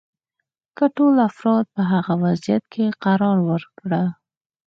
که ټول افراد په هغه وضعیت کې قرار ورکړو.